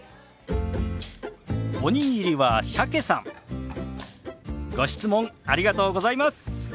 おにぎりは鮭さんご質問ありがとうございます。